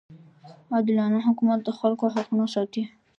عادلانه حکومت د خلکو حقونه ساتي.